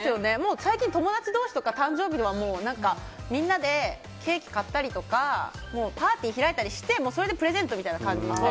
最近、友達同士でも誕生日とかもうみんなでケーキ買ったりとかパーティー開いたりしてそれがプレゼントみたいにして。